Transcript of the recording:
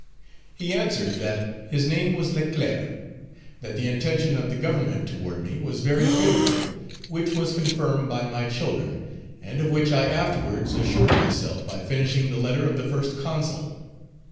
He answered, that his name was Leclerc; that the intention of the Government toward me was very favorable, which was confirmed by my children, and of which I afterwards assured myself by finishing the letter of the First Consul.